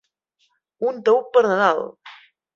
Un taüt per Nadal!